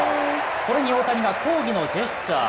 これに大谷が抗議のジェスチャー。